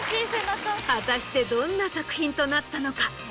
果たしてどんな作品となったのか？